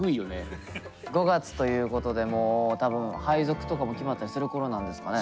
５月ということでもう多分配属とかも決まったりする頃なんですかね？